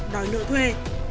đói nợ thuê